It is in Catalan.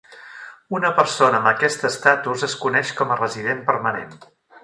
Una persona amb aquest estatus es coneix com a resident permanent.